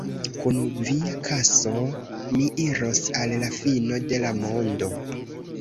Kun via kaso mi iros al la fino de la mondo!